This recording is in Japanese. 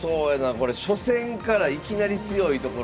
これ初戦からいきなり強いところと。